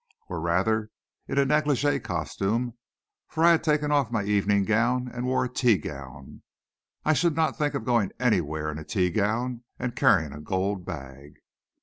Or rather, in a negligee costume, for I had taken off my evening gown and wore a tea gown. I should not think of going anywhere in a tea gown, and carrying a gold bag."